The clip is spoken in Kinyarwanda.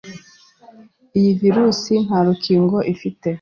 Iyi virus nta rukingo ifite,